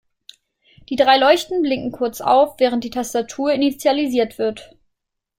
Die drei Leuchten blinken kurz auf, während die Tastatur initialisiert wird.